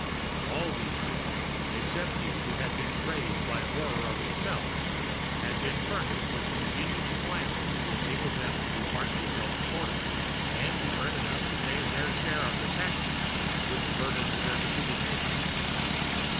All these men, except he who had been crazed by horror of himself, had been furnished with ingenious appliances to enable them to be partly self supporting, and to earn enough to pay their share of the taxes which burdened their defeated nation.